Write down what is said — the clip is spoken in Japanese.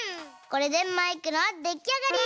これでマイクのできあがり！